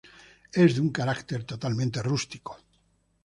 Es de un carácter totalmente rústico.